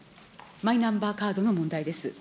マイナンバーカードの問題です。